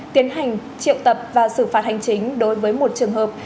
tiến hành triệu tập và xử phạt hành chính đối với một trường hợp